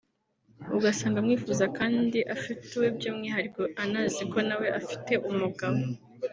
ugasanga amwifuza kandi afite uwe by’umwihariko anazi ko nawe afite umugabo